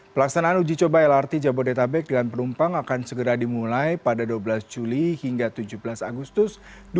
pelaksanaan uji coba lrt jabodetabek dengan penumpang akan segera dimulai pada dua belas juli hingga tujuh belas agustus dua ribu dua puluh